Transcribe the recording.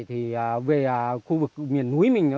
thì về khu vực miền núi mình